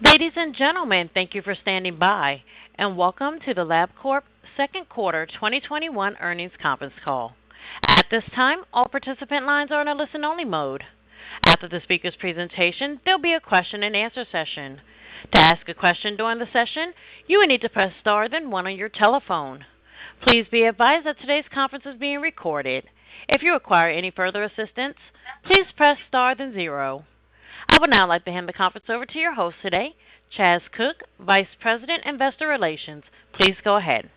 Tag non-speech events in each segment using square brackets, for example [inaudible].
Ladies and gentlemen, thank you for standing by and welcome to the Labcorp Second Quarter 2021 Earnings Conference Call. At this time, all participant lines are in a listen-only mode. After the speaker's presentation, there'll be a question and answer session. To ask a question during the session, you will need to press star then one on your telephone. Please be advised that today's conference is being recorded. If you require any further assistance, please press star then zero. I would now like to hand the conference over to your host today, Chas Cook, Vice President, Investor Relations. Please go ahead.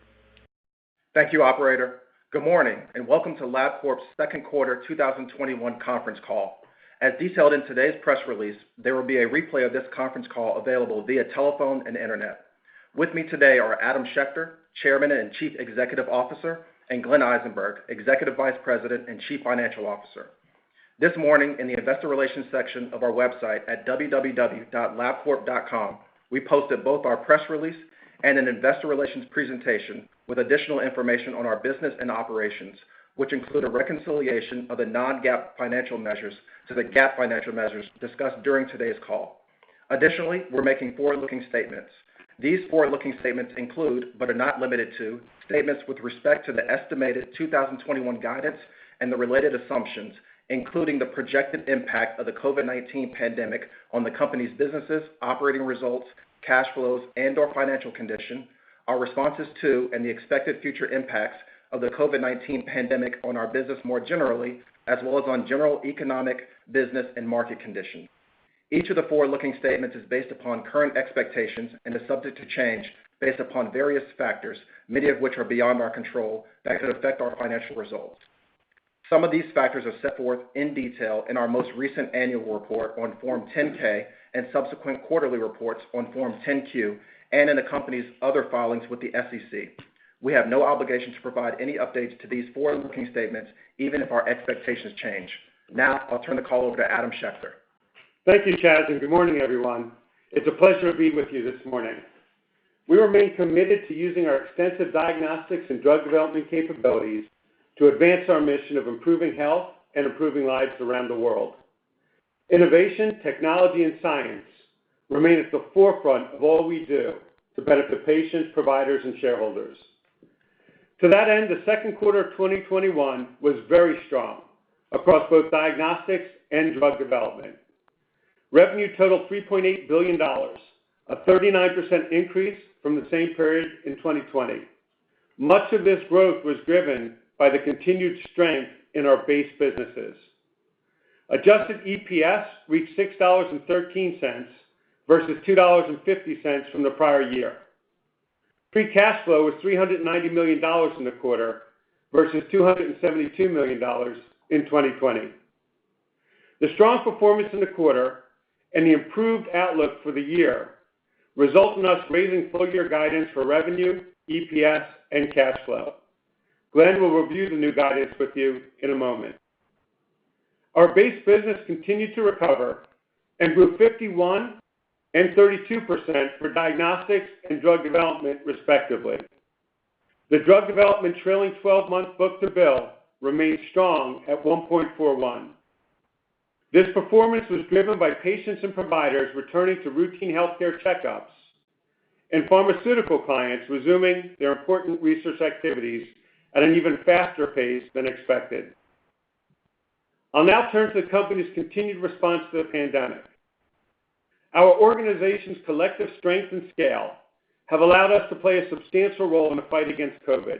Thank you, operator. Good morning and welcome to Labcorp's Second Quarter 2021 Conference Call. As detailed in today's press release, there will be a replay of this conference call available via telephone and internet. With me today are Adam Schechter, Chairman and Chief Executive Officer, and Glenn Eisenberg, Executive Vice President and Chief Financial Officer. This morning in the investor relations section of our website at www.labcorp.com, we posted both our press release and an investor relations presentation with additional information on our business and operations, which include a reconciliation of the non-GAAP financial measures to the GAAP financial measures discussed during today's call. Additionally, we're making forward-looking statements. These forward-looking statements include, but are not limited to, statements with respect to the estimated 2021 guidance and the related assumptions, including the projected impact of the COVID-19 pandemic on the company's businesses, operating results, cash flows, and/or financial condition, our responses to and the expected future impacts of the COVID-19 pandemic on our business more generally, as well as on general economic, business, and market conditions. Each of the forward-looking statements is based upon current expectations and is subject to change based upon various factors, many of which are beyond our control that could affect our financial results. Some of these factors are set forth in detail in our most recent annual report on Form 10-K and subsequent quarterly reports on Form 10-Q, and in the company's other filings with the SEC. We have no obligation to provide any updates to these forward-looking statements, even if our expectations change. Now, I'll turn the call over to Adam Schechter. Thank you, Chas, and good morning, everyone. It's a pleasure to be with you this morning. We remain committed to using our extensive diagnostics and drug development capabilities to advance our mission of improving health and improving lives around the world. Innovation, technology, and science remain at the forefront of all we do to benefit patients, providers, and shareholders. To that end, the second quarter of 2021 was very strong across both diagnostics and drug development. Revenue totaled $3.8 billion, a 39% increase from the same period in 2020. Much of this growth was driven by the continued strength in our base businesses. Adjusted EPS reached $6.13 versus $2.50 from the prior year. Free cash flow was $390 million in the quarter versus $272 million in 2020. The strong performance in the quarter and the improved outlook for the year result in us raising full-year guidance for revenue, EPS, and cash flow. Glenn will review the new guidance with you in a moment. Our base business continued to recover and grew 51% and 32% for diagnostics and drug development, respectively. The drug development trailing 12-month book-to-bill remained strong at 1.41. This performance was driven by patients and providers returning to routine healthcare checkups and pharmaceutical clients resuming their important research activities at an even faster pace than expected. I'll now turn to the company's continued response to the pandemic. Our organization's collective strength and scale have allowed us to play a substantial role in the fight against COVID.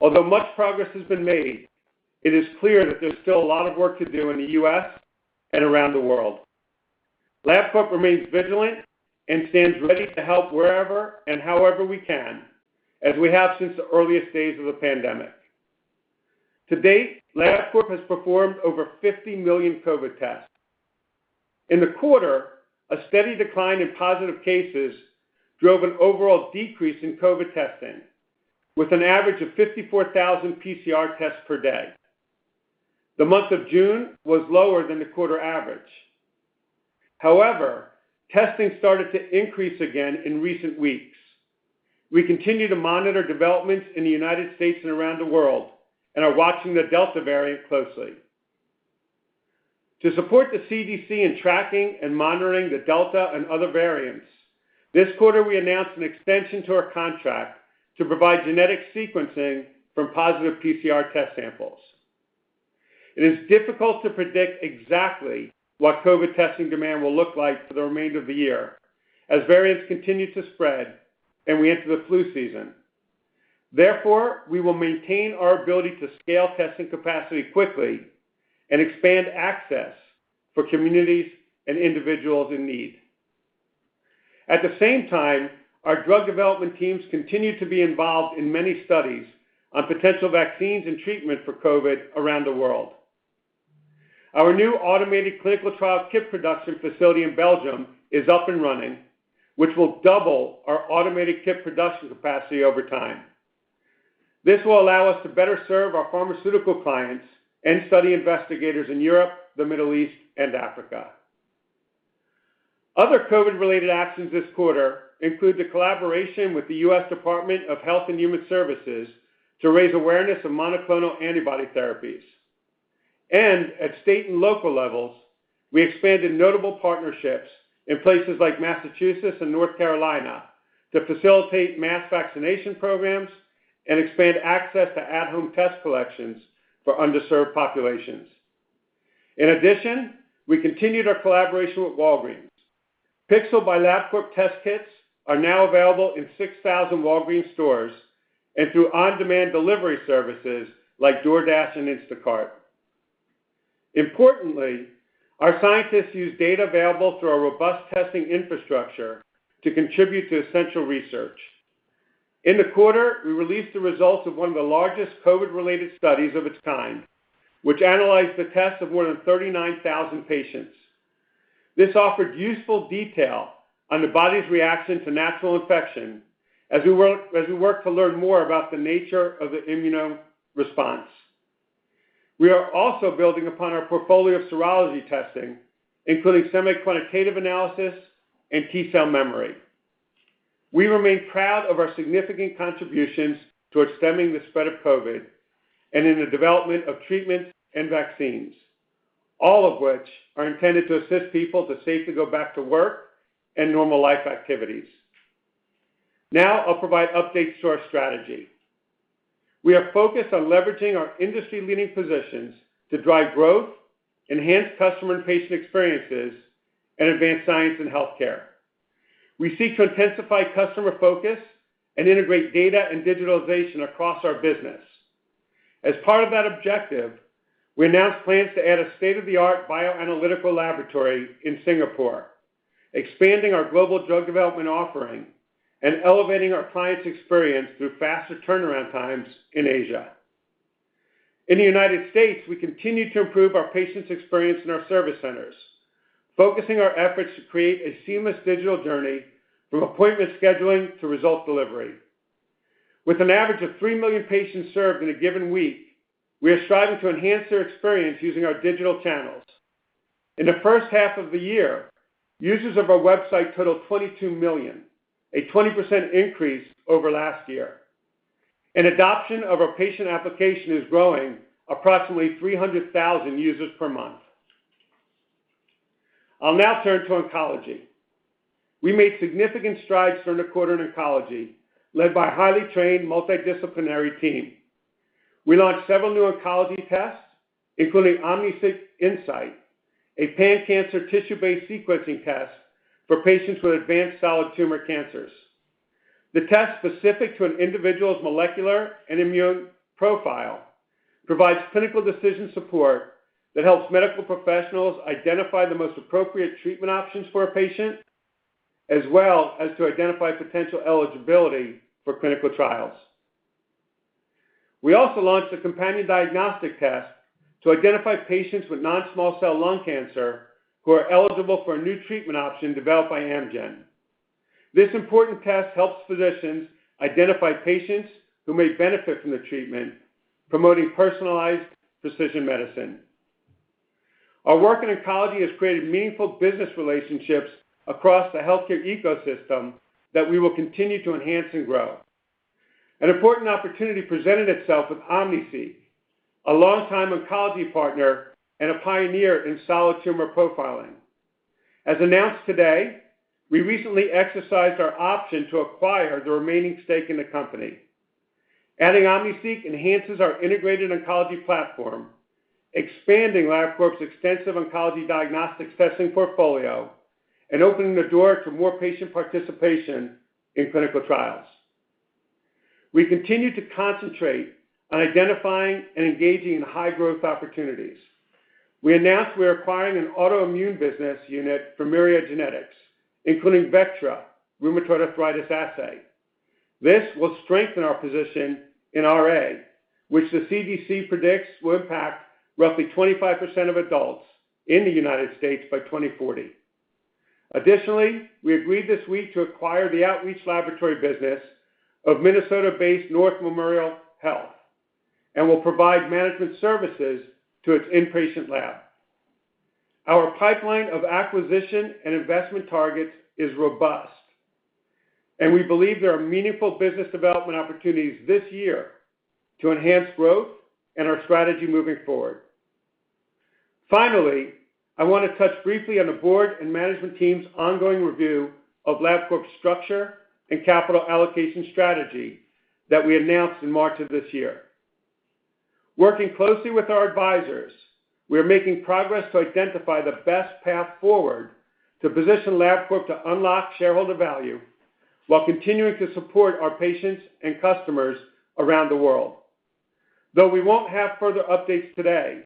Although much progress has been made, it is clear that there's still a lot of work to do in the U.S. and around the world. Labcorp remains vigilant and stands ready to help wherever and however we can, as we have since the earliest days of the pandemic. To date, Labcorp has performed over 50 million COVID tests. In the quarter, a steady decline in positive cases drove an overall decrease in COVID testing with an average of 54,000 PCR tests per day. The month of June was lower than the quarter average. Testing started to increase again in recent weeks. We continue to monitor developments in the U.S. and around the world and are watching the Delta variant closely. To support the CDC in tracking and monitoring the Delta and other variants, this quarter we announced an extension to our contract to provide genetic sequencing from positive PCR test samples. It is difficult to predict exactly what COVID testing demand will look like for the remainder of the year as variants continue to spread and we enter the flu season. Therefore, we will maintain our ability to scale testing capacity quickly and expand access for communities and individuals in need. At the same time, our drug development teams continue to be involved in many studies on potential vaccines and treatment for COVID around the world. Our new automated clinical trial kit production facility in Belgium is up and running, which will double our automated kit production capacity over time. This will allow us to better serve our pharmaceutical clients and study investigators in Europe, the Middle East, and Africa. Other COVID-related actions this quarter include the collaboration with the U.S. Department of Health and Human Services to raise awareness of monoclonal antibody therapies. At state and local levels, we expanded notable partnerships in places like Massachusetts and North Carolina to facilitate mass vaccination programs and expand access to at-home test collections for underserved populations. In addition, we continued our collaboration with Walgreens. Pixel by Labcorp test kits are now available in 6,000 Walgreens stores and through on-demand delivery services like DoorDash and Instacart. Importantly, our scientists use data available through our robust testing infrastructure to contribute to essential research. In the quarter, we released the results of one of the largest COVID-related studies of its kind, which analyzed the tests of more than 39,000 patients. This offered useful detail on the body's reaction to natural infection as we work to learn more about the nature of the immunoresponse. We are also building upon our portfolio of serology testing, including semi-quantitative analysis and T cell memory. We remain proud of our significant contributions towards stemming the spread of COVID and in the development of treatments and vaccines, all of which are intended to assist people to safely go back to work and normal life activities. I'll provide updates to our strategy. We are focused on leveraging our industry-leading positions to drive growth, enhance customer and patient experiences, and advance science and healthcare. We seek to intensify customer focus and integrate data and digitalization across our business. As part of that objective, we announced plans to add a state-of-the-art bioanalytical laboratory in Singapore, expanding our global drug development offering and elevating our client's experience through faster turnaround times in Asia. In the United States, we continue to improve our patient's experience in our service centers, focusing our efforts to create a seamless digital journey from appointment scheduling to result delivery. With an average of 3 million patients served in a given week, we are striving to enhance their experience using our digital channels. In the first half of the year, users of our website totaled 22 million, a 20% increase over last year. Adoption of our patient application is growing approximately 300,000 users per month. I'll now turn to oncology. We made significant strides during the quarter in oncology, led by a highly trained, multidisciplinary team. We launched several new oncology tests, including OmniSeq INSIGHT, a pan-cancer tissue-based sequencing test for patients with advanced solid tumor cancers. The test, specific to an individual's molecular and immune profile, provides clinical decision support that helps medical professionals identify the most appropriate treatment options for a patient, as well as to identify potential eligibility for clinical trials. We also launched a companion diagnostic test to identify patients with non-small cell lung cancer who are eligible for a new treatment option developed by Amgen. This important test helps physicians identify patients who may benefit from the treatment, promoting personalized precision medicine. Our work in oncology has created meaningful business relationships across the healthcare ecosystem that we will continue to enhance and grow. An important opportunity presented itself with OmniSeq, a long-time oncology partner and a pioneer in solid tumor profiling. As announced today, we recently exercised our option to acquire the remaining stake in the company. Adding OmniSeq enhances our integrated oncology platform, expanding Labcorp's extensive oncology diagnostics testing portfolio and opening the door to more patient participation in clinical trials. We continue to concentrate on identifying and engaging in high-growth opportunities. We announced we are acquiring an autoimmune business unit from Myriad Genetics, including Vectra rheumatoid arthritis assay. This will strengthen our position in RA, which the CDC predicts will impact roughly 25% of adults in the United States by 2040. Additionally, we agreed this week to acquire the outreach laboratory business of Minnesota-based North Memorial Health and will provide management services to its inpatient lab. Our pipeline of acquisition and investment targets is robust, and we believe there are meaningful business development opportunities this year to enhance growth and our strategy moving forward. Finally, I want to touch briefly on the board and management team's ongoing review of Labcorp's structure and capital allocation strategy that we announced in March of this year. Working closely with our advisors, we are making progress to identify the best path forward to position Labcorp to unlock shareholder value while continuing to support our patients and customers around the world. We won't have further updates today,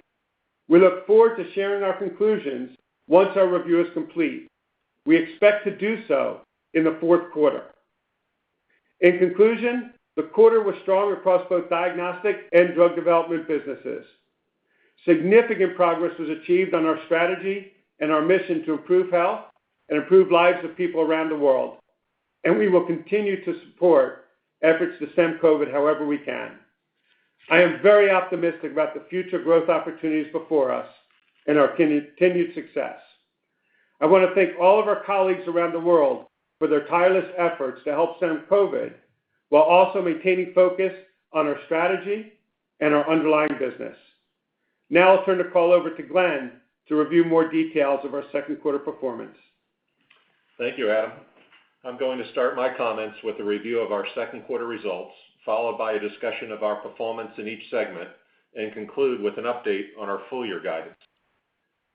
we look forward to sharing our conclusions once our review is complete. We expect to do so in the fourth quarter. In conclusion, the quarter was strong across both diagnostic and drug development businesses. Significant progress was achieved on our strategy and our mission to improve health and improve lives of people around the world, and we will continue to support efforts to stem COVID however we can. I am very optimistic about the future growth opportunities before us and our continued success. I want to thank all of our colleagues around the world for their tireless efforts to help stem COVID, while also maintaining focus on our strategy and our underlying business. Now I'll turn the call over to Glenn to review more details of our second quarter performance. Thank you, Adam. I'm going to start my comments with a review of our second quarter results, followed by a discussion of our performance in each segment, and conclude with an update on our full year guidance.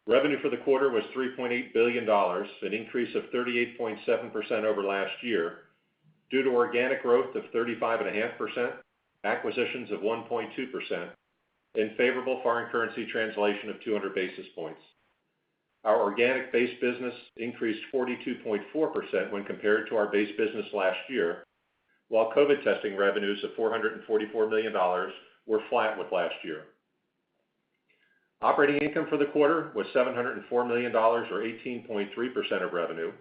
Revenue for the quarter was $3.8 billion, an increase of 38.7% over last year due to organic growth of 35.5%, acquisitions of 1.2%, and favorable foreign currency translation of 200 basis points. Our organic base business increased 42.4% when compared to our base business last year, while COVID testing revenues of $444 million were flat with last year. Operating income for the quarter was $704 million, or 18.3% of revenue.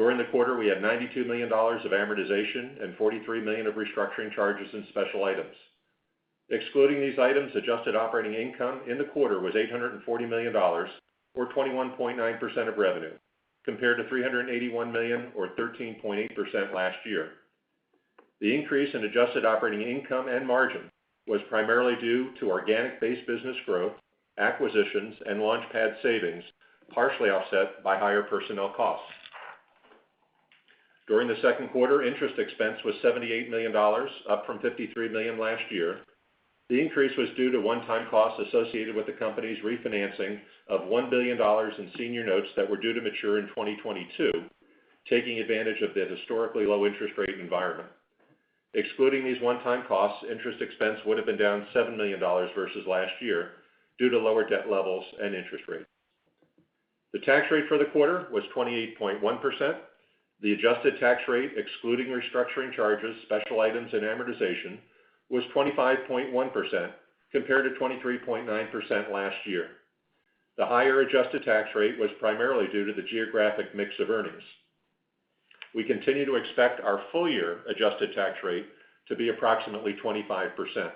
During the quarter, we had $92 million of amortization and $43 million of restructuring charges and special items. Excluding these items, adjusted operating income in the quarter was $840 million, or 21.9% of revenue, compared to $381 million or 13.8% last year. The increase in adjusted operating income and margin was primarily due to organic base business growth, acquisitions, and LaunchPad savings, partially offset by higher personnel costs. During the second quarter, interest expense was $78 million, up from $53 million last year. The increase was due to one-time costs associated with the company's refinancing of $1 billion in senior notes that were due to mature in 2022, taking advantage of the historically low interest rate environment. Excluding these one-time costs, interest expense would've been down $7 million versus last year due to lower debt levels and interest rates. The tax rate for the quarter was 28.1%. The adjusted tax rate, excluding restructuring charges, special items, and amortization, was 25.1% compared to 23.9% last year. The higher adjusted tax rate was primarily due to the geographic mix of earnings. We continue to expect our full year adjusted tax rate to be approximately 25%.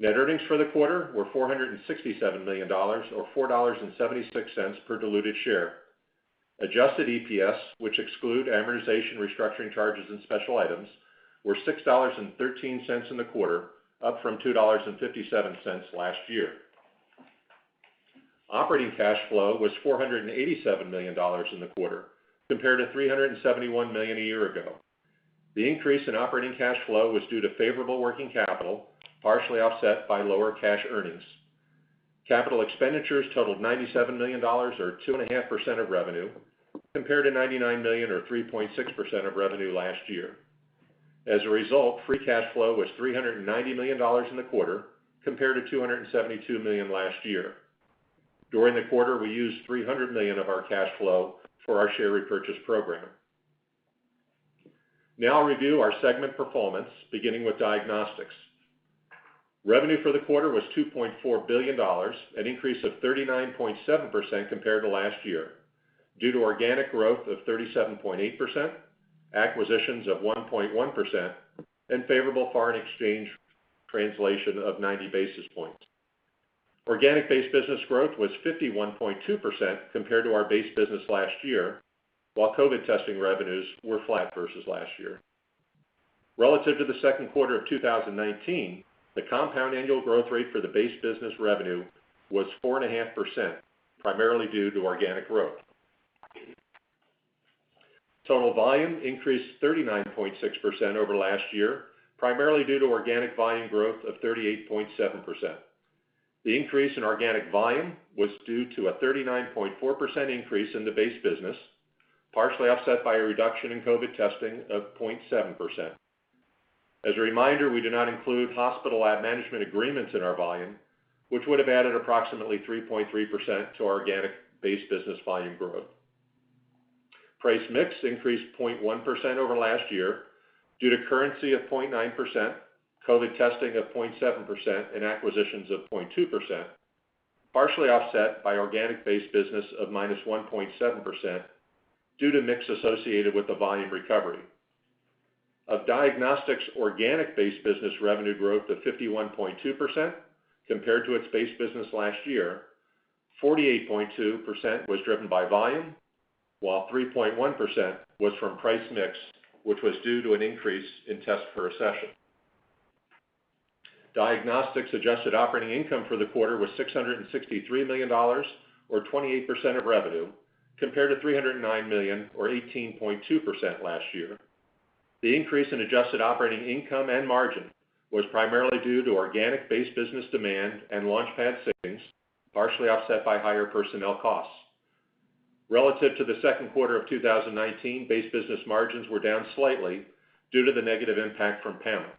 Net earnings for the quarter were $467 million, or $4.76 per diluted share. Adjusted EPS, which exclude amortization, restructuring charges, and special items, were $6.13 in the quarter, up from $2.57 last year. Operating cash flow was $487 million in the quarter compared to $371 million a year ago. The increase in operating cash flow was due to favorable working capital, partially offset by lower cash earnings. Capital expenditures totaled $97 million, or 2.5% of revenue, compared to $99 million or 3.6% of revenue last year. As a result, free cash flow was $390 million in the quarter compared to $272 million last year. During the quarter, we used $300 million of our cash flow for our share repurchase program. Now I'll review our segment performance, beginning with diagnostics. Revenue for the quarter was $2.4 billion, an increase of 39.7% compared to last year due to organic growth of 37.8%, acquisitions of 1.1%, and favorable foreign exchange translation of 90 basis points. Organic base business growth was 51.2% compared to our base business last year, while COVID testing revenues were flat versus last year. Relative to the second quarter of 2019, the compound annual growth rate for the base business revenue was 4.5%, primarily due to organic growth. Total volume increased 39.6% over last year, primarily due to organic volume growth of 38.7%. The increase in organic volume was due to a 39.4% increase in the base business, partially offset by a reduction in COVID testing of 0.7%. As a reminder, we do not include hospital lab management agreements in our volume, which would've added approximately 3.3% to organic base business volume growth. Price mix increased 0.1% over last year due to currency of 0.9%, COVID testing of 0.7%, and acquisitions of 0.2%, partially offset by organic base business of -1.7% due to mix associated with the volume recovery. Of Diagnostics organic base business revenue growth of 51.2% compared to its base business last year, 48.2% was driven by volume, while 3.1% was from price mix, which was due to an increase in tests per session. Diagnostics adjusted operating income for the quarter was $663 million, or 28% of revenue, compared to $309 million or 18.2% last year. The increase in adjusted operating income and margin was primarily due to organic base business demand and LaunchPad savings, partially offset by higher personnel costs. Relative to the second quarter of 2019, base business margins were down slightly due to the negative impact from PAMA.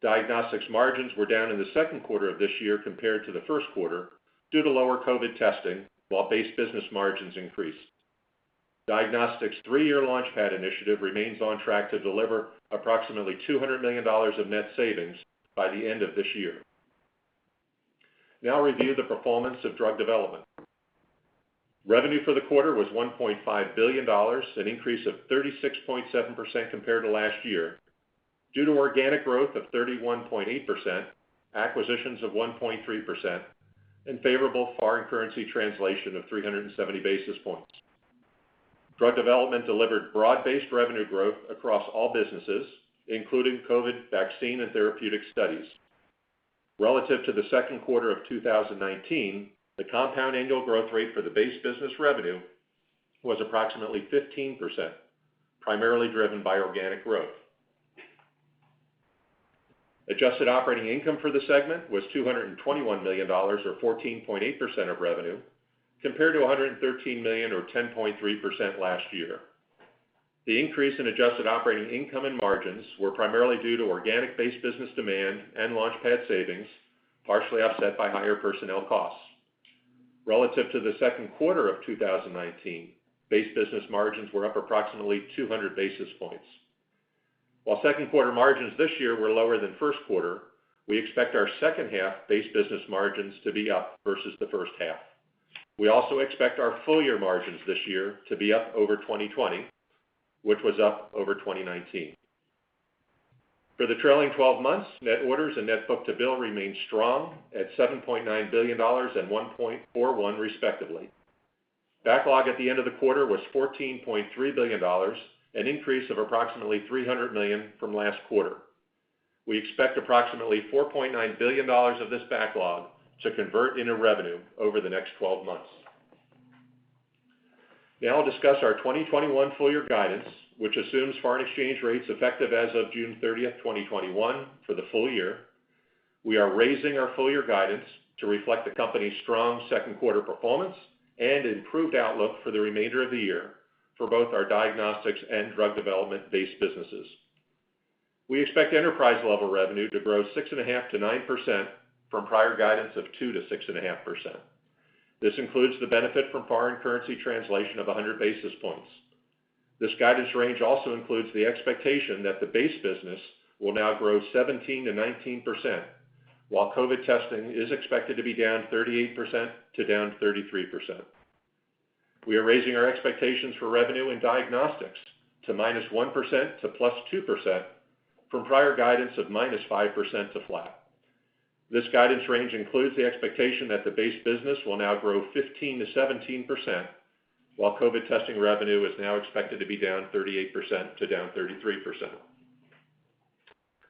Diagnostics margins were down in the second quarter of this year compared to the first quarter due to lower COVID testing while base business margins increased. Diagnostics' three-year LaunchPad initiative remains on track to deliver approximately $200 million of net savings by the end of this year. I'll review the performance of Drug Development. Revenue for the quarter was $1.5 billion, an increase of 36.7% compared to last year. Due to organic growth of 31.8%, acquisitions of 1.3%, and favorable foreign currency translation of 370 basis points. Drug Development delivered broad-based revenue growth across all businesses, including COVID vaccine and therapeutic studies. Relative to the second quarter of 2019, the compound annual growth rate for the base business revenue was approximately 15%, primarily driven by organic growth. Adjusted operating income for the segment was $221 million, or 14.8% of revenue, compared to $113 million or 10.3% last year. The increase in adjusted operating income and margins were primarily due to organic-based business demand and LaunchPad savings, partially offset by higher personnel costs. Relative to the second quarter of 2019, base business margins were up approximately 200 basis points. While second quarter margins this year were lower than first quarter, we expect our second half base business margins to be up versus the first half. We also expect our full year margins this year to be up over 2020, which was up over 2019. For the trailing 12 months, net orders and net book-to-bill remained strong at $7.9 billion and 1.41 respectively. Backlog at the end of the quarter was $14.3 billion, an increase of approximately $300 million from last quarter. We expect approximately $4.9 billion of this backlog to convert into revenue over the next 12 months. Now I'll discuss our 2021 full year guidance, which assumes foreign exchange rates effective as of June 30th, 2021 for the full year. We are raising our full year guidance to reflect the company's strong second quarter performance and improved outlook for the remainder of the year for both our diagnostics and drug development base businesses. We expect enterprise-level revenue to grow 6.5%-9% from prior guidance of 2%-6.5%. This includes the benefit from foreign currency translation of 100 basis points. This guidance range also includes the expectation that the base business will now grow 17%-19%, while COVID testing is expected to be -38% to -33%. We are raising our expectations for revenue and diagnostics to -1% to +2%, from prior guidance of -5% to flat. This guidance range includes the expectation that the base business will now grow 15%-17%, while COVID testing revenue is now expected to be -38% to -33%.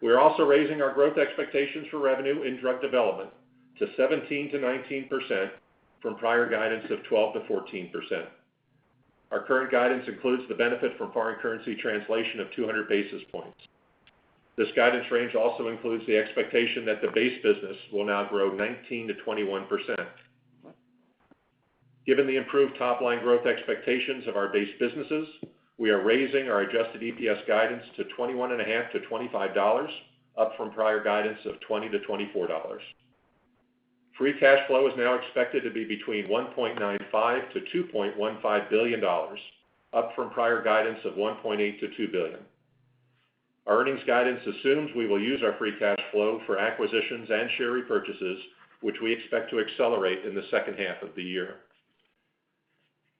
We are also raising our growth expectations for revenue in drug development to 17%-19% from prior guidance of 12%-14%. Our current guidance includes the benefit from foreign currency translation of 200 basis points. This guidance range also includes the expectation that the base business will now grow 19%-21%. Given the improved top-line growth expectations of our base businesses, we are raising our adjusted EPS guidance to $21.5-$25, up from prior guidance of $20-$24. Free cash flow is now expected to be between $1.95 billion-$2.15 billion, up from prior guidance of $1.8 billion-$2 billion. Our earnings guidance assumes we will use our free cash flow for acquisitions and share repurchases, which we expect to accelerate in the second half of the year.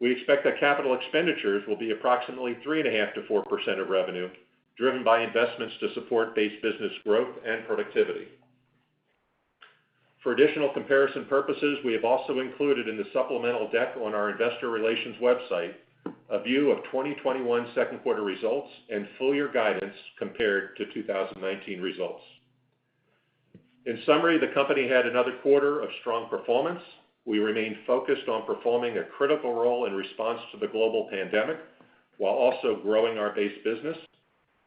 We expect that capital expenditures will be approximately 3.5%-4% of revenue, driven by investments to support base business growth and productivity. For additional comparison purposes, we have also included in the supplemental deck on our investor relations website a view of 2021 second quarter results and full year guidance compared to 2019 results. In summary, the company had another quarter of strong performance. We remain focused on performing a critical role in response to the global pandemic while also growing our base business.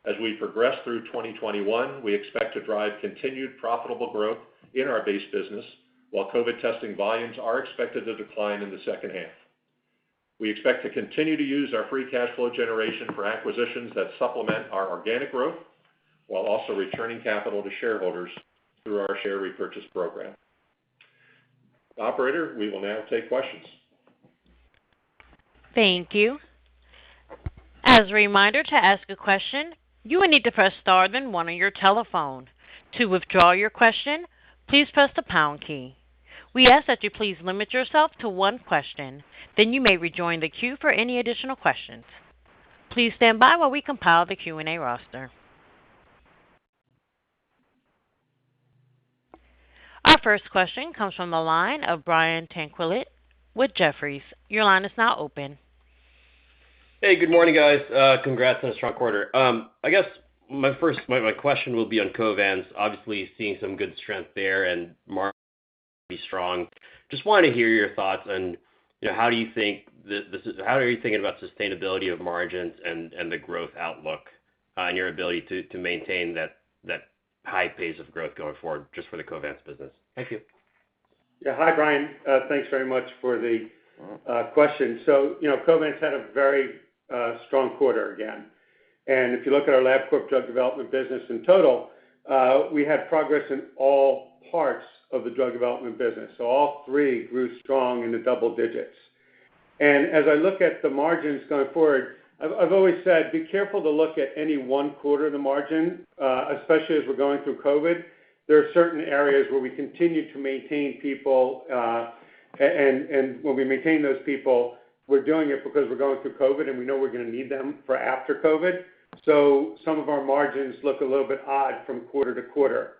As we progress through 2021, we expect to drive continued profitable growth in our base business. While COVID testing volumes are expected to decline in the second half. We expect to continue to use our free cash flow generation for acquisitions that supplement our organic growth while also returning capital to shareholders through our share repurchase program. Operator, we will now take questions. Thank you. As a reminder, to ask a question, you will need to press star then one on your telephone. To withdraw your question, please press the pound key. We ask that you please limit yourself to one question. You may rejoin the queue for any additional questions. Please stand by while we compile the Q&A roster. Our first question comes from the line of Brian Tanquilut with Jefferies. Your line is now open. Hey, good morning, guys. Congrats on a strong quarter. I guess my question will be on Covance. Obviously, seeing some good strength there and margins remain strong. Just want to hear your thoughts on how are you thinking about sustainability of margins and the growth outlook and your ability to maintain that high pace of growth going forward just for the Covance business? Thank you. Yeah. Hi, Brian. Thanks very much for the question. Covance had a very strong quarter again. If you look at our Labcorp drug development business in total, we had progress in all parts of the drug development business. All three grew strong in the double digits. As I look at the margins going forward, I've always said, be careful to look at any one quarter of the margin, especially as we're going through COVID. There are certain areas where we continue to maintain people, and when we maintain those people, we're doing it because we're going through COVID and we know we're going to need them for after COVID. Some of our margins look a little bit odd from quarter to quarter.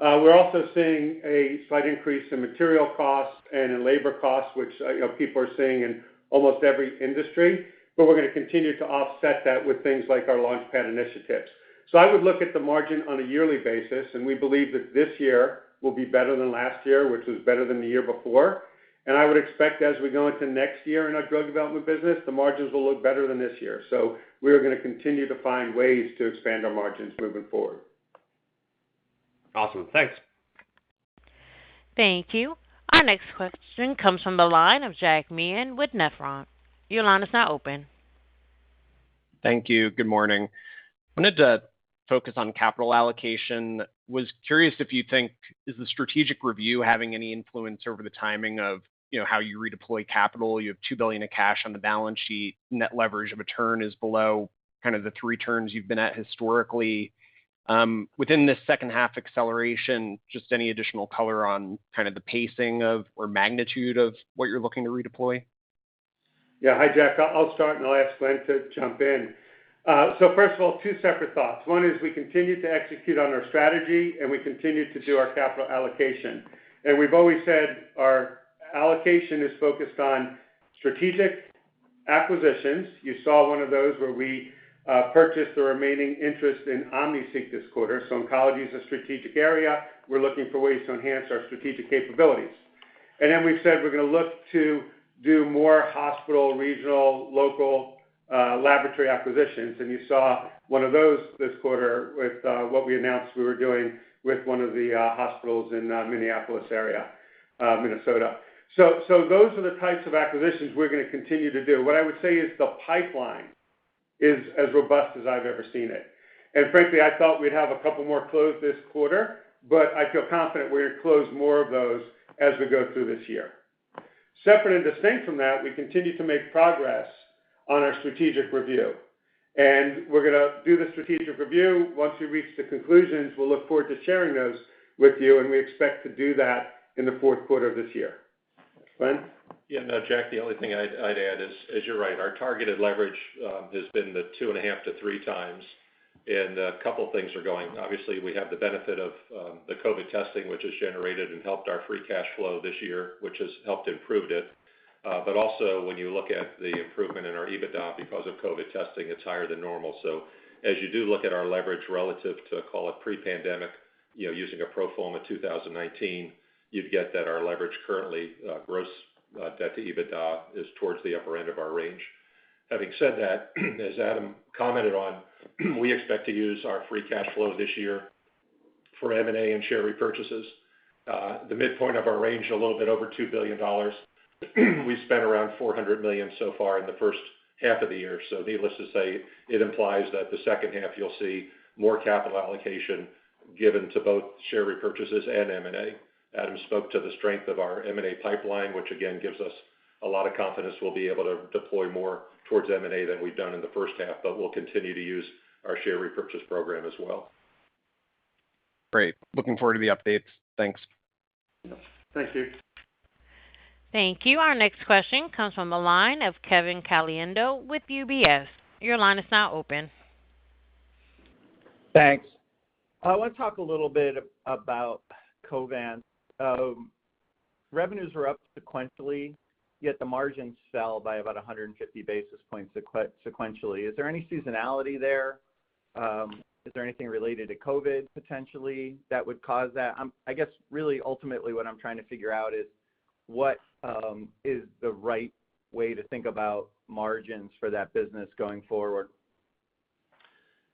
We're also seeing a slight increase in material costs and in labor costs, which people are seeing in almost every industry. We're going to continue to offset that with things like our LaunchPad initiatives. I would look at the margin on a yearly basis, and we believe that this year will be better than last year, which was better than the year before. I would expect as we go into next year in our drug development business, the margins will look better than this year. We're going to continue to find ways to expand our margins moving forward. Awesome. Thanks. Thank you. Our next question comes from the line of Jack Meehan with Nephron. Your line is now open. Thank you. Good morning. I wanted to focus on capital allocation. Was curious if you think, is the strategic review having any influence over the timing of how you redeploy capital? You have $2 billion of cash on the balance sheet, net leverage of a turn is below kind of the three turns you've been at historically. Within this second half acceleration, just any additional color on kind of the pacing of, or magnitude of what you're looking to redeploy? Yeah. Hi, Jack. I'll start and I'll ask Glenn to jump in. First of all, two separate thoughts. One is we continue to execute on our strategy, and we continue to do our capital allocation. We've always said our allocation is focused on strategic acquisitions. You saw one of those where we purchased the remaining interest in OmniSeq this quarter. Oncology is a strategic area. We're looking for ways to enhance our strategic capabilities. We've said we're going to look to do more hospital, regional, local laboratory acquisitions. You saw one of those this quarter with what we announced we were doing with one of the hospitals in Minneapolis area, Minnesota. Those are the types of acquisitions we're going to continue to do. What I would say is the pipeline is as robust as I've ever seen it. Frankly, I thought we'd have a couple more closed this quarter, but I feel confident we're going to close more of those as we go through this year. Separate and distinct from that, we continue to make progress on our strategic review. We're going to do the strategic review. Once we reach the conclusions, we'll look forward to sharing those with you, and we expect to do that in the fourth quarter of this year. Glenn? Jack, the only thing I'd add is you're right. Our targeted leverage has been the 2.5-3x, a couple of things are going. Obviously, we have the benefit of the COVID testing, which has generated and helped our free cash flow this year, which has helped improved it. Also when you look at the improvement in our EBITDA because of COVID testing, it's higher than normal. As you do look at our leverage relative to, call it pre-pandemic, using a pro forma 2019, you'd get that our leverage currently, gross debt to EBITDA, is towards the upper end of our range. Having said that, as Adam commented on, we expect to use our free cash flow this year for M&A and share repurchases. The midpoint of our range, a little bit over $2 billion. We spent around $400 million so far in the first half of the year, so needless to say, it implies that the second half you'll see more capital allocation given to both share repurchases and M&A. Adam spoke to the strength of our M&A pipeline, which again gives us a lot of confidence we'll be able to deploy more towards M&A than we've done in the first half, but we'll continue to use our share repurchase program as well. Great. Looking forward to the updates. Thanks. Yeah. Thank you. Thank you. Our next question comes from the line of Kevin Caliendo with UBS. Your line is now open. Thanks. I want to talk a little bit about Covance. Revenues were up sequentially, yet the margins fell by about 150 basis points sequentially. Is there any seasonality there? Is there anything related to COVID, potentially, that would cause that? I guess really ultimately what I'm trying to figure out is what is the right way to think about margins for that business going forward?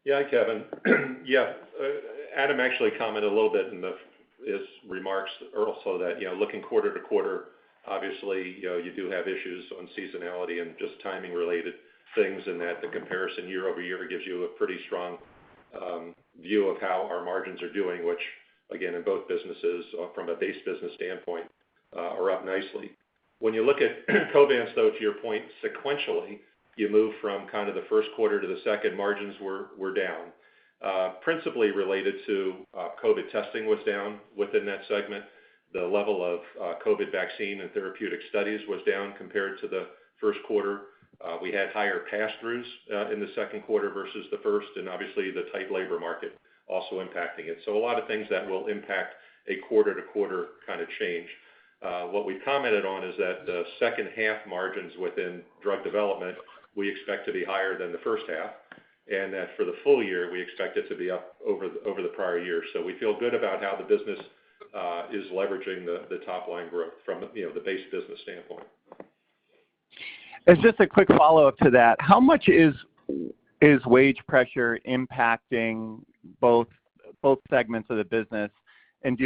Yeah, Kevin. Yeah. Adam actually commented a little bit in his remarks also that looking quarter-to-quarter, obviously, you do have issues on seasonality and just timing related things, and that the comparison year-over-year gives you a pretty strong view of how our margins are doing, which again, in both businesses from a base business standpoint, are up nicely. When you look at Covance, though, to your point, sequentially, you move from kind of the first quarter to the second, margins were down. Principally related to COVID testing was down within that segment. The level of COVID vaccine and therapeutic studies was down compared to the first quarter. We had higher passthroughs in the second quarter versus the first. Obviously, the tight labor market also impacting it. A lot of things that will impact a quarter-to-quarter kind of change. What we commented on is that the second half margins within drug development, we expect to be higher than the first half, and that for the full year, we expect it to be up over the prior year. We feel good about how the business is leveraging the top line growth from the base business standpoint. As just a quick follow-up to that, how much is wage pressure impacting both segments of the business, and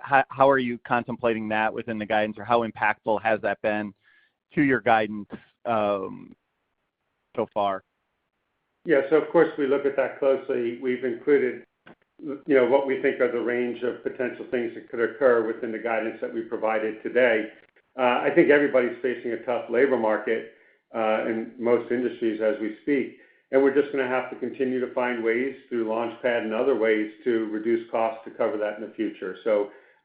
how are you contemplating that within the guidance, or how impactful has that been to your guidance? So far. Yeah. Of course, we look at that closely. We've included what we think are the range of potential things that could occur within the guidance that we provided today. I think everybody's facing a tough labor market, in most industries as we speak, and we're just going to have to continue to find ways through LaunchPad and other ways to reduce costs to cover that in the future.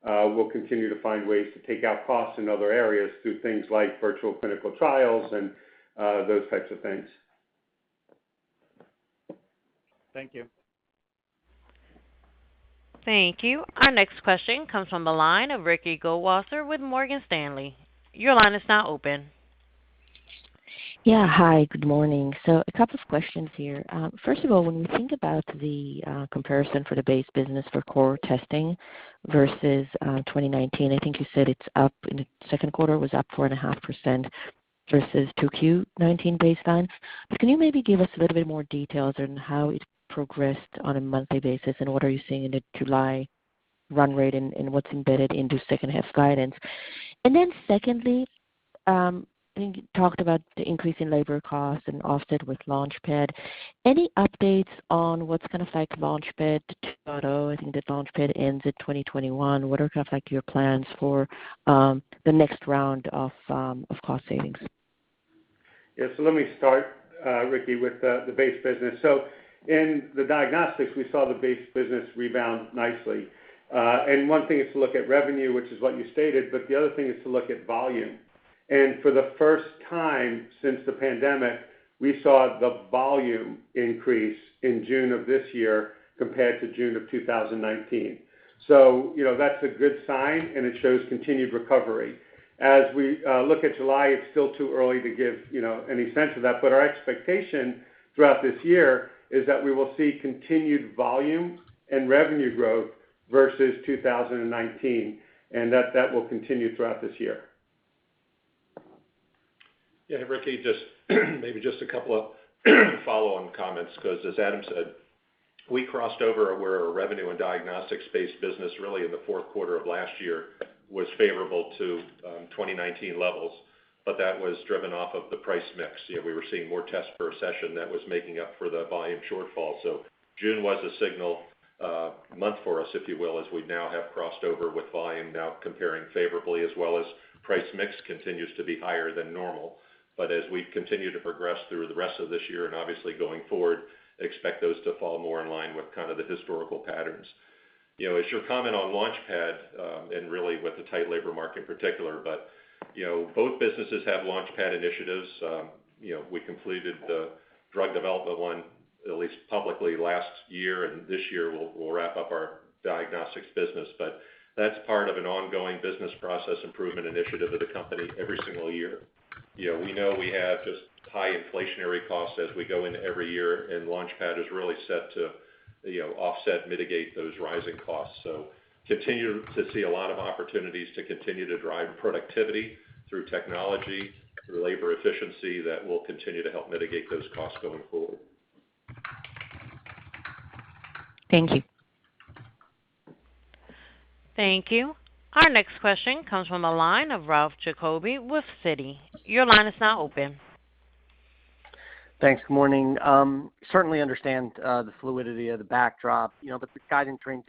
We'll continue to find ways to take out costs in other areas through things like virtual clinical trials and those types of things. Thank you. Thank you. Our next question comes from the line of Ricky Goldwasser with Morgan Stanley. Your line is now open. Yeah. Hi, good morning. A couple of questions here. First of all, when we think about the comparison for the base business for core testing versus 2019, I think you said it's up in the second quarter, was up 4.5% versus 2Q 2019 baseline. Can you maybe give us a little bit more details on how it progressed on a monthly basis, and what are you seeing in the July run rate and what's embedded into second half guidance? Secondly, I think you talked about the increase in labor costs and offset with LaunchPad. Any updates on what's going to affect LaunchPad to [audio distortion] I think that LaunchPad ends in 2021. What are your plans for the next round of cost savings? Let me start, Ricky, with the base business. In the diagnostics, we saw the base business rebound nicely. One thing is to look at revenue, which is what you stated, but the other thing is to look at volume. For the first time since the pandemic, we saw the volume increase in June of this year compared to June of 2019. That's a good sign, and it shows continued recovery. As we look at July, it's still too early to give any sense of that, but our expectation throughout this year is that we will see continued volume and revenue growth versus 2019, and that will continue throughout this year. Yeah. Ricky, just maybe just a couple of follow-on comments, because as Adam said, we crossed over where our revenue and Diagnostics base business really in the fourth quarter of last year was favorable to 2019 levels. That was driven off of the price mix. We were seeing more tests per session that was making up for the volume shortfall. June was a signal month for us, if you will, as we now have crossed over with volume now comparing favorably as well as price mix continues to be higher than normal. As we continue to progress through the rest of this year and obviously going forward, expect those to fall more in line with the historical patterns. As your comment on LaunchPad, really with the tight labor market in particular, both businesses have LaunchPad initiatives. We completed the drug development one, at least publicly last year, and this year we'll wrap up our diagnostics business. That's part of an ongoing business process improvement initiative at the company every single year. We know we have just high inflationary costs as we go into every year, and LaunchPad is really set to offset, mitigate those rising costs. Continue to see a lot of opportunities to continue to drive productivity through technology, through labor efficiency that will continue to help mitigate those costs going forward. Thank you. Thank you. Our next question comes from the line of Ralph Giacobbe with Citi. Your line is now open. Thanks. Good morning. Certainly understand the fluidity of the backdrop. The guidance range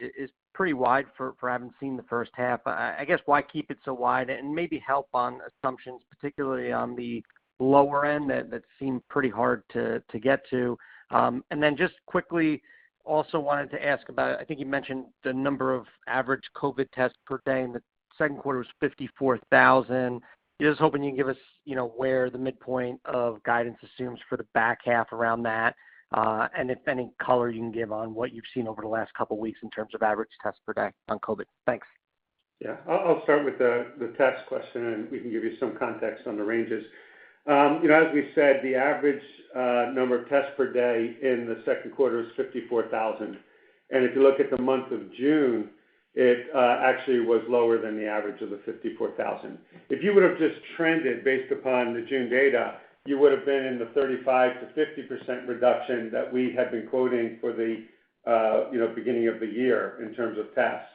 is pretty wide for having seen the first half. I guess, why keep it so wide and maybe help on assumptions, particularly on the lower end that seemed pretty hard to get to. Then just quickly, also wanted to ask about, I think you mentioned the number of average COVID tests per day in the second quarter was 54,000. Just hoping you can give us where the midpoint of guidance assumes for the back half around that. If any color you can give on what you've seen over the last couple of weeks in terms of average tests per day on COVID. Thanks. Yeah. I'll start with the test question. We can give you some context on the ranges. As we said, the average number of tests per day in the second quarter is 54,000. If you look at the month of June, it actually was lower than the average of the 54,000. If you would've just trended based upon the June data, you would've been in the 35%-50% reduction that we had been quoting for the beginning of the year in terms of tests.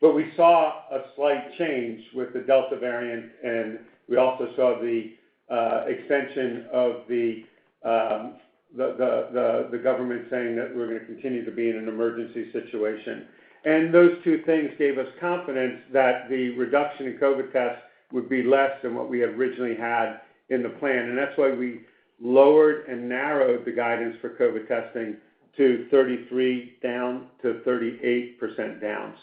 We saw a slight change with the Delta variant, and we also saw the extension of the government saying that we're going to continue to be in an emergency situation. Those two things gave us confidence that the reduction in COVID tests would be less than what we had originally had in the plan. That's why we lowered and narrowed the guidance for COVID testing to 33%-38% down.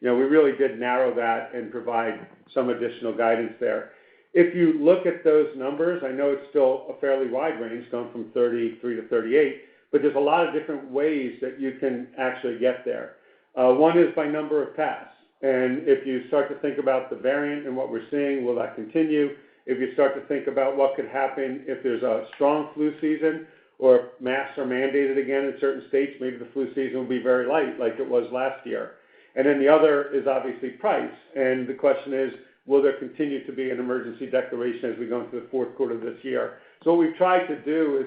We really did narrow that and provide some additional guidance there. If you look at those numbers, I know it's still a fairly wide range, going from 33% to 38%, but there's a lot of different ways that you can actually get there. One is by number of tests, if you start to think about the variant and what we're seeing, will that continue? If you start to think about what could happen if there's a strong flu season or masks are mandated again in certain states, maybe the flu season will be very light like it was last year. Then the other is obviously price. The question is, will there continue to be an emergency declaration as we go into the fourth quarter of this year? What we've tried to do is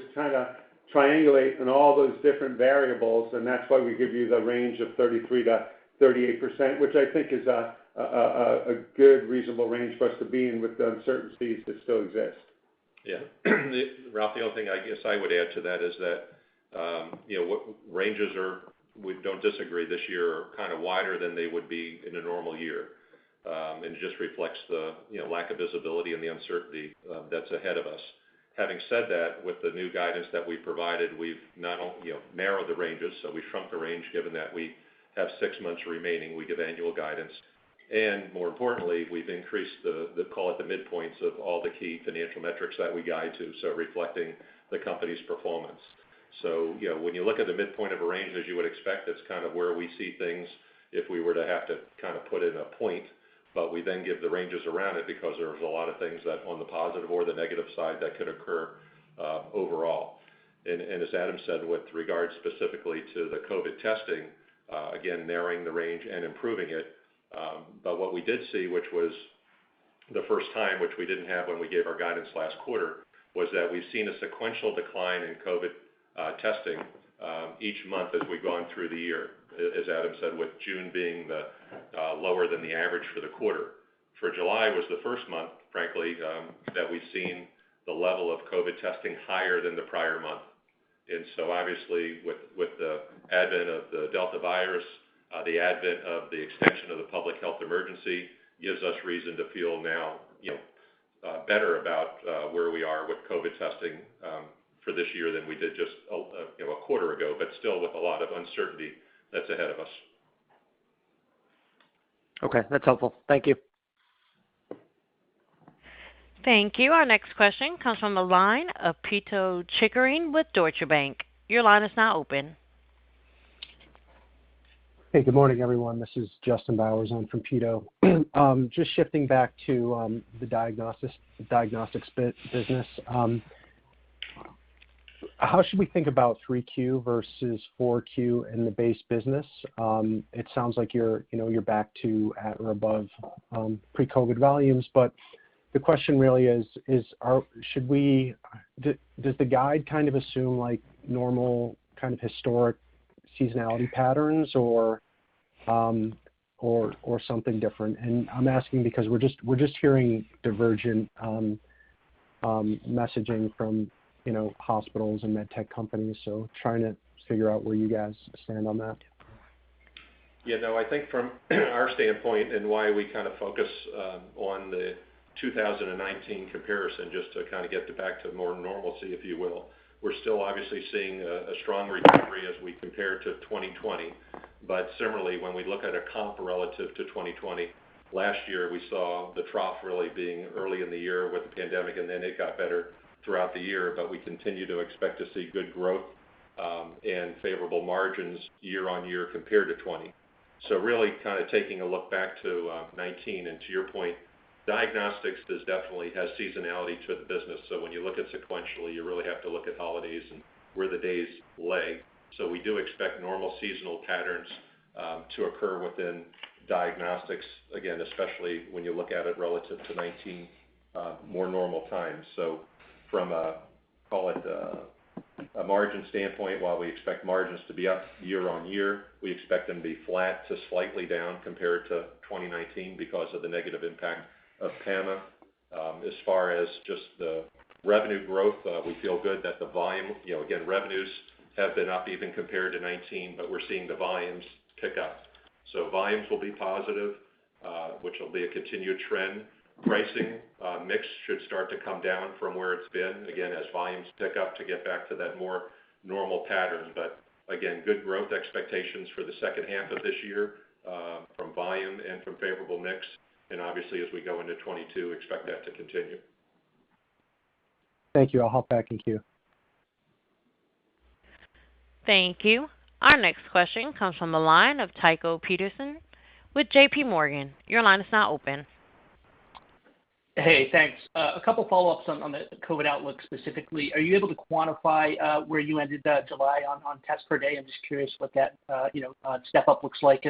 Triangulate in all those different variables, and that's why we give you the range of 33%-38%, which I think is a good, reasonable range for us to be in with the uncertainties that still exist. Yeah. Ralph, the only thing I guess I would add to that is that, ranges are, we don't disagree this year, are kind of wider than they would be in a normal year. It just reflects the lack of visibility and the uncertainty that's ahead of us. Having said that, with the new guidance that we've provided, we've narrowed the ranges. We've shrunk the range, given that we have six months remaining, we give annual guidance. More importantly, we've increased the midpoints of all the key financial metrics that we guide to, so reflecting the company's performance. When you look at the midpoint of a range, as you would expect, it's kind of where we see things if we were to have to put in a point. We then give the ranges around it because there's a lot of things that on the positive or the negative side that could occur overall. As Adam said, with regard specifically to the COVID testing, again, narrowing the range and improving it. What we did see, which was the first time, which we didn't have when we gave our guidance last quarter, was that we've seen a sequential decline in COVID testing each month as we've gone through the year, as Adam said, with June being lower than the average for the quarter. For July was the first month, frankly, that we've seen the level of COVID testing higher than the prior month. Obviously with the advent of the Delta virus, the advent of the extension of the public health emergency, gives us reason to feel now better about where we are with COVID testing for this year than we did just a quarter ago, but still with a lot of uncertainty that's ahead of us. Okay. That's helpful. Thank you. Thank you. Our next question comes from the line of Pito Chickering with Deutsche Bank. Your line is now open. Hey, good morning, everyone. This is Justin Bowers on from Pito. Just shifting back to the diagnostics business. How should we think about 3Q versus 4Q in the base business? It sounds like you're back to at or above pre-COVID volumes. The question really is, does the guide kind of assume normal, kind of historic seasonality patterns or something different? I'm asking because we're just hearing divergent messaging from hospitals and med tech companies. Trying to figure out where you guys stand on that. I think from our standpoint and why we focus on the 2019 comparison, just to get back to more normalcy, if you will, we're still obviously seeing a strong recovery as we compare to 2020. Similarly, when we look at a comp relative to 2020, last year, we saw the trough being early in the year with the pandemic, and then it got better throughout the year. We continue to expect to see good growth and favorable margins year-over-year compared to 2020. Taking a look back to 2019, and to your point, diagnostics definitely has seasonality to the business. When you look at sequentially, you have to look at holidays and where the days lay. We do expect normal seasonal patterns to occur within diagnostics, again, especially when you look at it relative to 2019, more normal times. From a margin standpoint, while we expect margins to be up year-over-year, we expect them to be flat to slightly down compared to 2019 because of the negative impact of PAMA. As far as just the revenue growth, we feel good that the volume, again, revenues have been up even compared to 2019, but we're seeing the volumes pick up. Volumes will be positive, which will be a continued trend. Pricing, mix should start to come down from where it's been, again, as volumes pick up to get back to that more normal pattern. Again, good growth expectations for the second half of this year from volume and from favorable mix, and obviously as we go into 2022, expect that to continue. Thank you. I'll hop back in queue. Thank you. Our next question comes from the line of Tycho Peterson with J.P. Morgan. Hey, thanks. two follow-ups on the COVID outlook specifically. Are you able to quantify where you ended the July on tests per day? I'm just curious what that step-up looks like.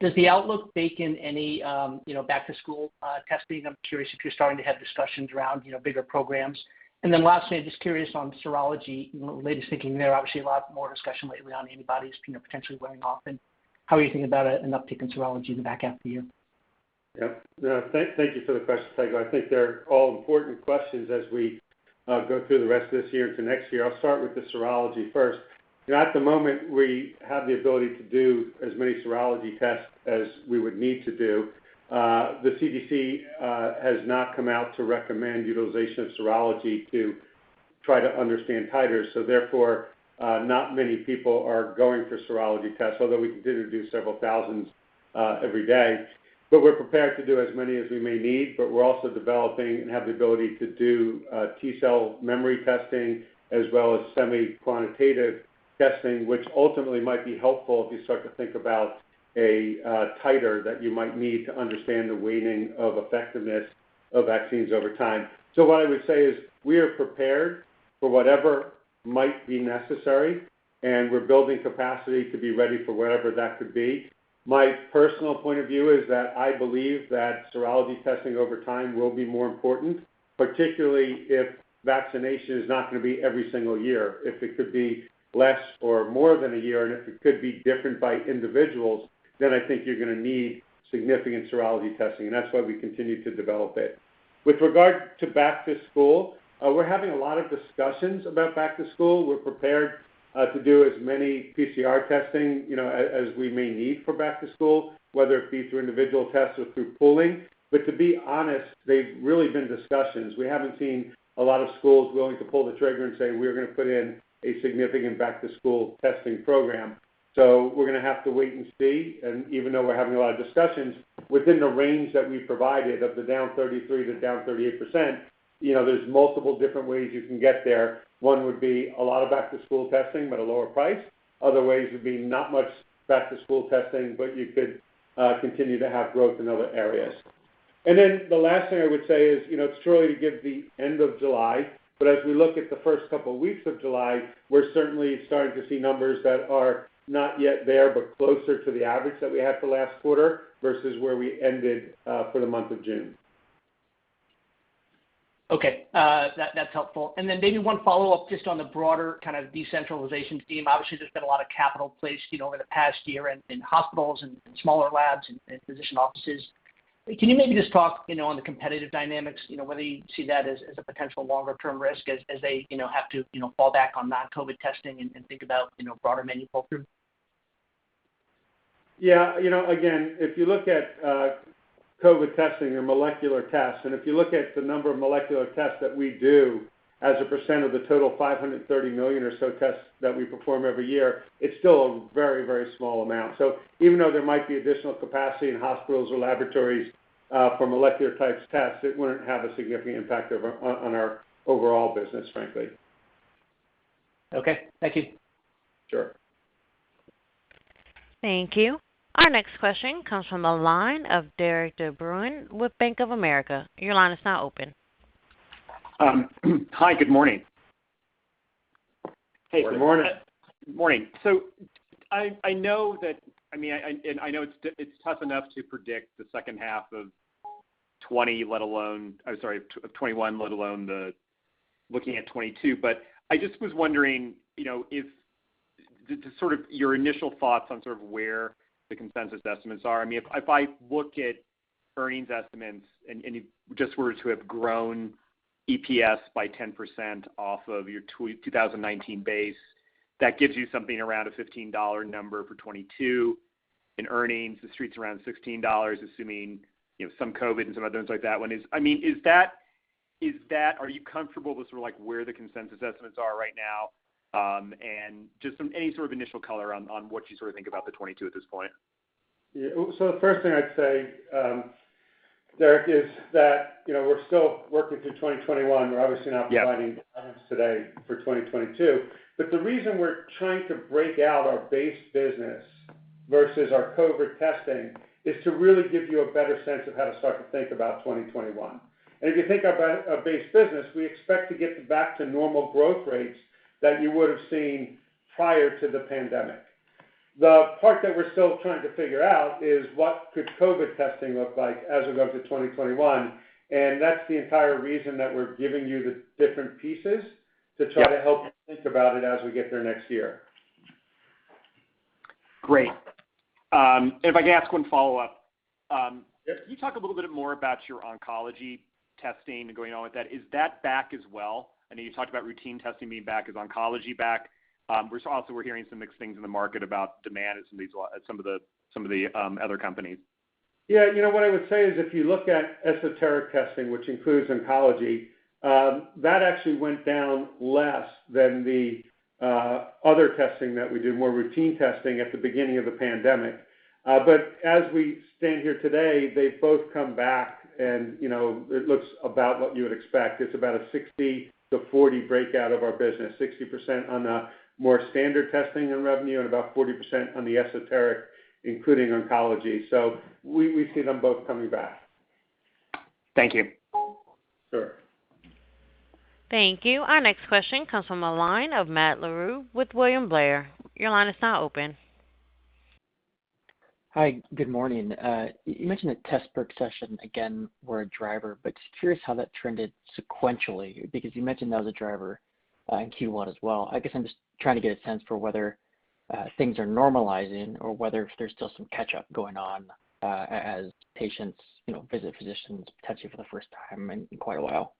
Does the outlook bake in any back-to-school testing? I'm curious if you're starting to have discussions around bigger programs. Lastly, just curious on serology, latest thinking there. Obviously, a lot more discussion lately on antibodies potentially wearing off and how are you thinking about an uptick in serology in the back half of the year? Yep. Thank you for the question, Tycho. I think they're all important questions as we go through the rest of this year into next year. I'll start with the serology first. At the moment, we have the ability to do as many serology tests as we would need to do. The CDC has not come out to recommend utilization of serology to try to understand titers. Therefore, not many people are going for serology tests, although we continue to do several thousands every day. We're prepared to do as many as we may need, but we're also developing and have the ability to do T cell memory testing as well as semi-quantitative testing, which ultimately might be helpful if you start to think about a titer that you might need to understand the weighting of effectiveness of vaccines over time. What I would say is we are prepared for whatever might be necessary, and we're building capacity to be ready for whatever that could be. My personal point of view is that I believe that serology testing over time will be more important, particularly if vaccination is not going to be every single year. If it could be less or more than a year, and if it could be different by individuals, I think you're going to need significant serology testing, and that's why we continue to develop it. With regard to back to school, we're having a lot of discussions about back to school. We're prepared to do as many PCR testing as we may need for back to school, whether it be through individual tests or through pooling. To be honest, they've really been discussions. We haven't seen a lot of schools willing to pull the trigger and say, "We're going to put in a significant back-to-school testing program." We're going to have to wait and see. Even though we're having a lot of discussions, within the range that we provided of the down 33% to down 38%, there's multiple different ways you can get there. One would be a lot of back-to-school testing, but a lower price. Other ways would be not much back-to-school testing, but you could continue to have growth in other areas. The last thing I would say is, it's too early to give the end of July, but as we look at the first couple weeks of July, we're certainly starting to see numbers that are not yet there, but closer to the average that we had for last quarter versus where we ended for the month of June. Okay. That's helpful. Then maybe one follow-up just on the broader kind of decentralization theme. Obviously, there's been a lot of capital placed over the past year in hospitals and smaller labs and physician offices. Can you maybe just talk on the competitive dynamics, whether you see that as a potential longer-term risk as they have to fall back on non-COVID testing and think about broader menu offerings? Again, if you look at COVID testing or molecular tests, and if you look at the number of molecular tests that we do as a percent of the total 530 million or so tests that we perform every year, it's still a very, very small amount. Even though there might be additional capacity in hospitals or laboratories for molecular-type tests, it wouldn't have a significant impact on our overall business, frankly. Okay. Thank you. Sure. Thank you. Our next question comes from the line of Derik de Bruin with Bank of America. Hi, good morning. Hey, good morning. Morning. I know it's tough enough to predict the second half of 2021, let alone looking at 2022. I just was wondering, just sort of your initial thoughts on sort of where the consensus estimates are. If I look at earnings estimates and you just were to have grown EPS by 10% off of your 2019 base, that gives you something around a $15 for 2022 in earnings. The Street's around $16, assuming some COVID and some other things like that. Are you comfortable with sort of where the consensus estimates are right now? And just any sort of initial color on what you sort of think about the 2022 at this point. Yeah. The first thing I'd say, Derik, is that we're still working through 2021. We're obviously not providing- Yeah guidance today for 2022. The reason we're trying to break out our base business versus our COVID testing is to really give you a better sense of how to start to think about 2021. If you think about our base business, we expect to get back to normal growth rates that you would've seen prior to the pandemic. The part that we're still trying to figure out is what could COVID testing look like as we go through 2021. That's the entire reason that we're giving you the different pieces to try to help. Yeah You think about it as we get there next year. Great. If I could ask one follow-up. Yeah. Can you talk a little bit more about your oncology testing and going on with that? Is that back as well? I know you talked about routine testing being back. Is oncology back? Also, we're hearing some mixed things in the market about demand at some of the other companies. Yeah. What I would say is if you look at esoteric testing, which includes oncology, that actually went down less than the other testing that we do, more routine testing at the beginning of the pandemic. As we stand here today, they've both come back and it looks about what you would expect. It's about a 60%-40% breakout of our business, 60% on the more standard testing and revenue, and about 40% on the esoteric, including oncology. We see them both coming back. Thank you. Sure. Thank you. Our next question comes from the line of Matt Larew with William Blair. Your line is now open. Hi, good morning. You mentioned that tests per session, again, were a driver, but just curious how that trended sequentially, because you mentioned that was a driver in Q1 as well. I guess I'm just trying to get a sense for whether things are normalizing or whether if there's still some catch-up going on as patients visit physicians, testing for the first time in quite a while.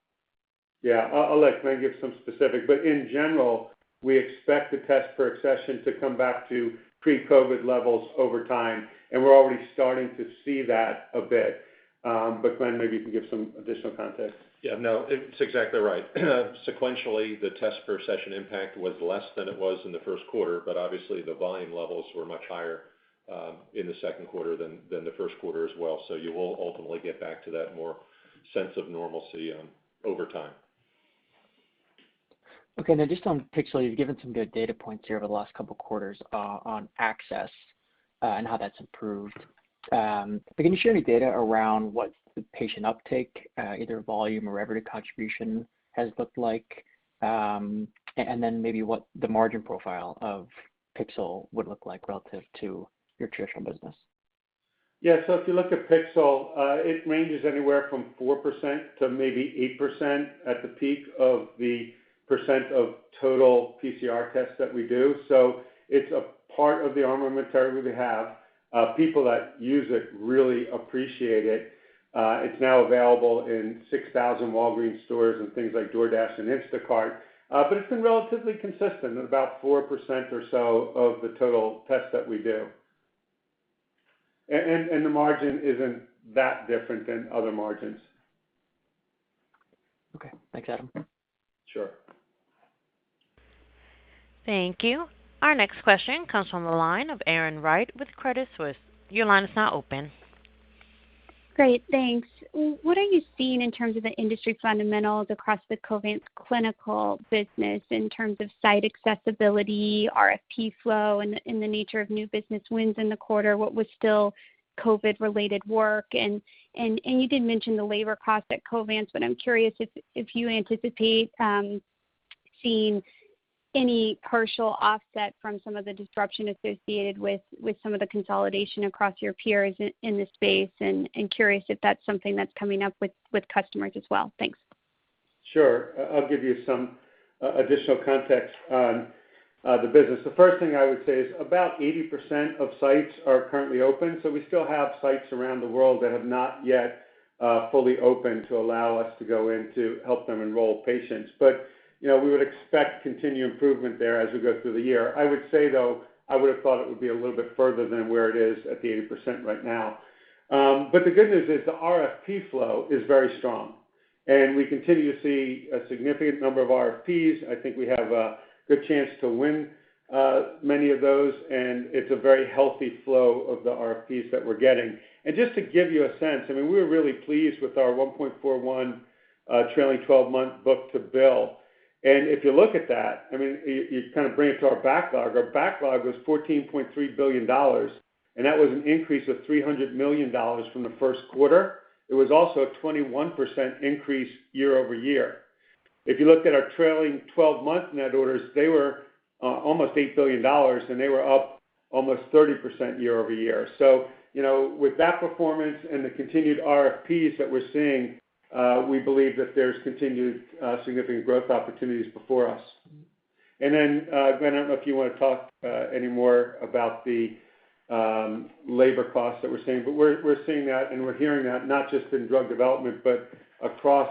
Yeah. I'll let Glenn give some specific, but in general, we expect the test per session to come back to pre-COVID levels over time, and we're already starting to see that a bit. Glenn, maybe you can give some additional context. Yeah, no, it's exactly right. Sequentially, the test per session impact was less than it was in the first quarter, but obviously, the volume levels were much higher in the second quarter than the first quarter as well. You will ultimately get back to that more sense of normalcy over time. Just on Pixel, you've given some good data points here over the last couple of quarters on access and how that's improved. Can you share any data around what the patient uptake, either volume or revenue contribution, has looked like? Maybe what the margin profile of Pixel would look like relative to your traditional business. If you look at Pixel, it ranges anywhere from 4% to maybe 8% at the peak of the percent of total PCR tests that we do. It's a part of the armamentarium we have. People that use it really appreciate it. It's now available in 6,000 Walgreens stores and things like DoorDash and Instacart. It's been relatively consistent at about 4% or so of the total tests that we do. The margin isn't that different than other margins. Okay. Thanks, Adam. Sure. Thank you. Our next question comes from the line of Erin Wright with Credit Suisse. Your line is now open. Great, thanks. What are you seeing in terms of the industry fundamentals across the Covance Clinical business in terms of site accessibility, RFP flow, and the nature of new business wins in the quarter? What was still COVID-related work? You did mention the labor costs at Covance, but I'm curious if you anticipate seeing any partial offset from some of the disruption associated with some of the consolidation across your peers in the space, and curious if that's something that's coming up with customers as well. Thanks. Sure. I'll give you some additional context on the business. The first thing I would say is about 80% of sites are currently open. We still have sites around the world that have not yet fully opened to allow us to go in to help them enroll patients. We would expect continued improvement there as we go through the year. I would say, though, I would have thought it would be a little bit further than where it is at the 80% right now. The good news is the RFP flow is very strong, and we continue to see a significant number of RFPs. I think we have a good chance to win many of those, and it's a very healthy flow of the RFPs that we're getting. And just to give you a sense, we're really pleased with our 1.41 trailing 12-month book-to-bill. If you look at that, you bring it to our backlog. Our backlog was $14.3 billion, and that was an increase of $300 million from the first quarter. It was also a 21% increase year-over-year. If you looked at our trailing 12-month net orders, they were almost $8 billion, and they were up almost 30% year-over-year. With that performance and the continued RFPs that we're seeing, we believe that there's continued significant growth opportunities before us. Then, Glenn, I don't know if you want to talk any more about the labor costs that we're seeing, but we're seeing that and we're hearing that not just in drug development, but across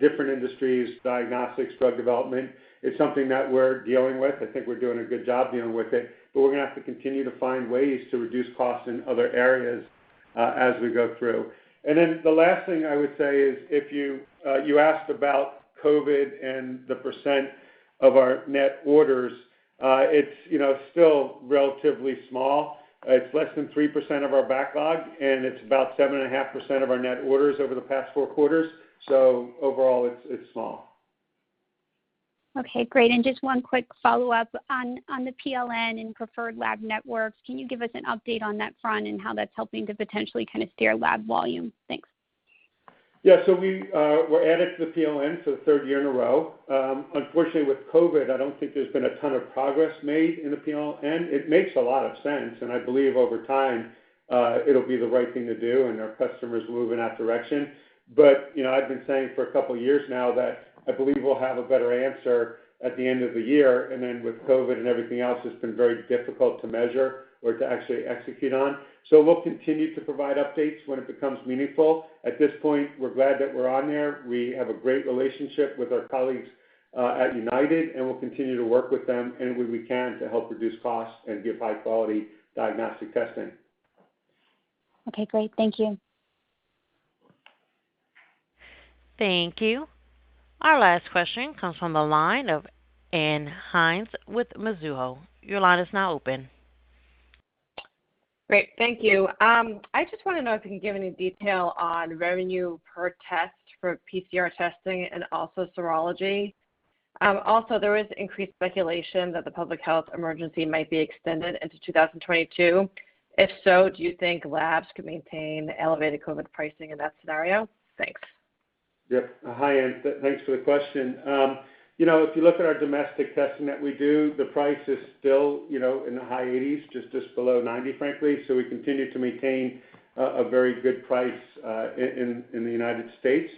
different industries, diagnostics, drug development. It's something that we're dealing with. I think we're doing a good job dealing with it, but we're going to have to continue to find ways to reduce costs in other areas as we go through. The last thing I would say is, you asked about COVID and the percent of our net orders. It's still relatively small. It's less than 3% of our backlog, and it's about 7.5% of our net orders over the past four quarters. Overall, it's small. Okay, great. Just one quick follow-up on the PLN and Preferred Lab Networks. Can you give us an update on that front and how that's helping to potentially steer lab volume? Thanks. Yeah. We were added to the PLN for the third year in a row. Unfortunately, with COVID, I don't think there's been a ton of progress made in the PLN. It makes a lot of sense, and I believe over time, it'll be the right thing to do and our customers move in that direction. I've been saying for a couple of years now that I believe we'll have a better answer at the end of the year. With COVID and everything else, it's been very difficult to measure or to actually execute on. We'll continue to provide updates when it becomes meaningful. At this point, we're glad that we're on there. We have a great relationship with our colleagues at United, and we'll continue to work with them any way we can to help reduce costs and give high-quality diagnostic testing. Okay, great. Thank you. Thank you. Our last question comes from the line of Ann Hynes with Mizuho. Great. Thank you. I just want to know if you can give any detail on revenue per test for PCR testing and also serology. There is increased speculation that the public health emergency might be extended into 2022. If so, do you think labs could maintain elevated COVID pricing in that scenario? Thanks. Yep. Hi, Ann. Thanks for the question. If you look at our domestic testing that we do, the price is still in the high 80s, just below 90, frankly. We continue to maintain a very good price in the United States.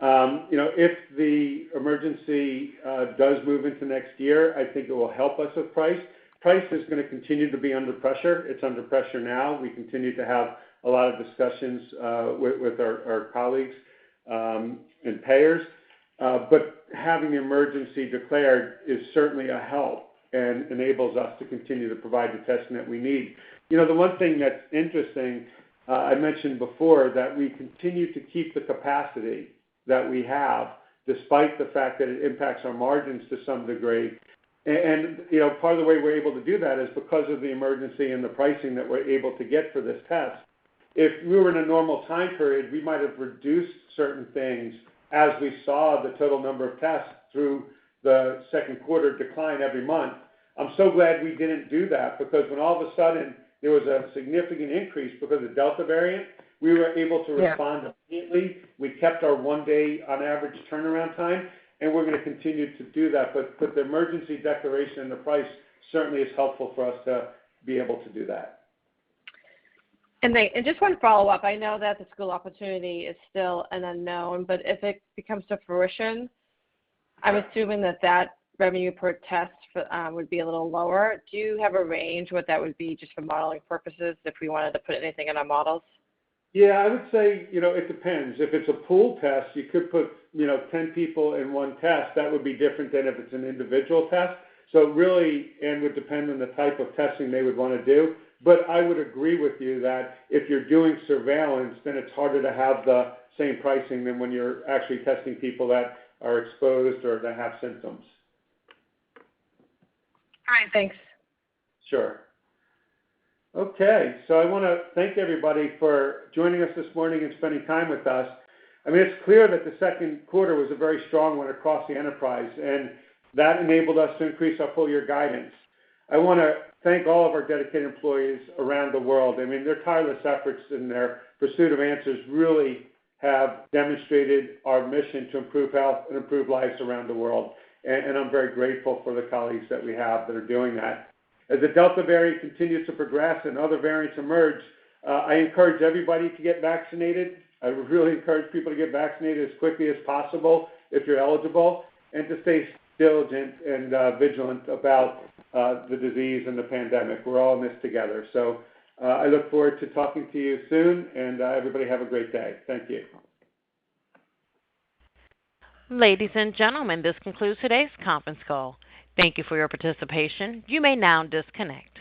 If the emergency does move into next year, I think it will help us with price. Price is going to continue to be under pressure. It's under pressure now. We continue to have a lot of discussions with our colleagues and payers. Having the emergency declared is certainly a help and enables us to continue to provide the testing that we need. The one thing that's interesting, I mentioned before that we continue to keep the capacity that we have, despite the fact that it impacts our margins to some degree. Part of the way we're able to do that is because of the emergency and the pricing that we're able to get for this test. If we were in a normal time period, we might have reduced certain things as we saw the total number of tests through the second quarter decline every month. I'm so glad we didn't do that, because when all of a sudden there was a significant increase because of the Delta variant, we were able to respond immediately. We kept our one-day on average turnaround time, and we're going to continue to do that. The emergency declaration and the price certainly is helpful for us to be able to do that. Just one follow-up. I know that the school opportunity is still an unknown, but if it comes to fruition, I'm assuming that that revenue per test would be a little lower. Do you have a range what that would be, just for modeling purposes, if we wanted to put anything in our models? Yeah, I would say, it depends. If it's a pool test, you could put 10 people in one test. That would be different than if it's an individual test. Really, it would depend on the type of testing they would want to do. I would agree with you that if you're doing surveillance, then it's harder to have the same pricing than when you're actually testing people that are exposed or that have symptoms. All right. Thanks. Sure. I want to thank everybody for joining us this morning and spending time with us. It's clear that the second quarter was a very strong one across the enterprise, and that enabled us to increase our full year guidance. I want to thank all of our dedicated employees around the world. Their tireless efforts and their pursuit of answers really have demonstrated our mission to improve health and improve lives around the world. I'm very grateful for the colleagues that we have that are doing that. As the Delta variant continues to progress and other variants emerge, I encourage everybody to get vaccinated. I would really encourage people to get vaccinated as quickly as possible if you're eligible, and to stay diligent and vigilant about the disease and the pandemic. We're all in this together. I look forward to talking to you soon, and everybody have a great day. Thank you. Ladies and gentlemen, this concludes today's conference call. Thank you for your participation. You may now disconnect.